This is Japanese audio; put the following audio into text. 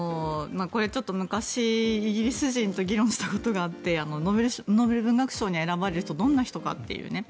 これはちょっと昔イギリス人と議論したことがあってノーベル文学賞に選ばれる人はどんな人かってね。